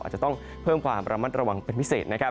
อาจจะต้องเพิ่มความระมัดระวังเป็นพิเศษนะครับ